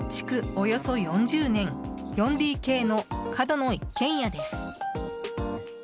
およそ４０年４ＤＫの角の一軒家です。